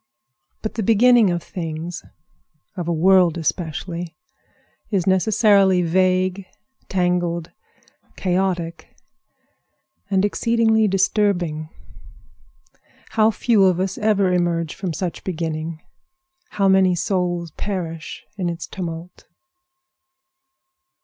But the beginning of things, of a world especially, is necessarily vague, tangled, chaotic, and exceedingly disturbing. How few of us ever emerge from such beginning! How many souls perish in its tumult!